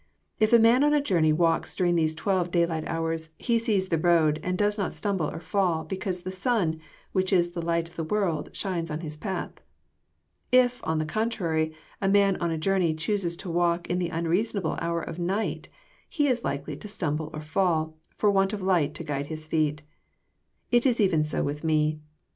If a man on a Journey walks dur ing these twelve daylight hours, he sees his road, and does not stumble or fall, because the sun, which is the light of the world, shines on his path. If, on the contrary, a man on a Journey chooses to walk in the unreasonable hour of night, he is likely to stumble or fall, for want of light to guide his feet. It is even so with Me.